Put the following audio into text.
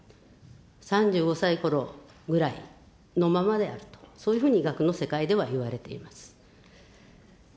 ３５歳ころぐらいのままであると、そういうふうに医学の世界では言われています。